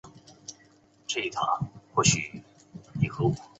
粤语粗口看似有音无字。